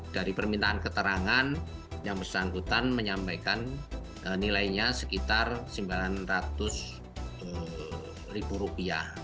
dari permintaan keterangan yang bersangkutan menyampaikan nilainya sekitar rp sembilan ratus ribu rupiah